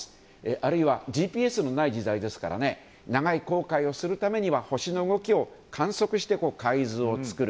あるいはＧＰＳのない時代ですから長い航海をするためには星の動きを観測して海図を作る。